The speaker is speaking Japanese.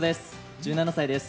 １７歳です。